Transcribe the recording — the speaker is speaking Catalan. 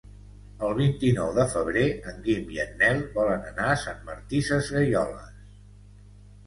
El vint-i-nou de febrer en Guim i en Nel volen anar a Sant Martí Sesgueioles.